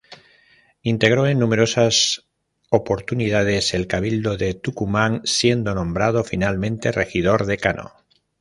Integró en numerosas oportunidades el Cabildo de Tucumán siendo nombrado finalmente regidor decano.